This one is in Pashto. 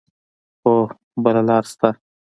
هو، بل لار شته